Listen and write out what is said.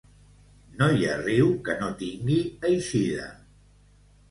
No hi ha riu que no tingui eixida.